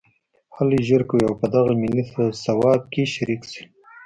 هلئ ژر کوئ او په دغه ملي ثواب کې شریک شئ